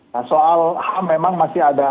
nah soal memang masih ada pr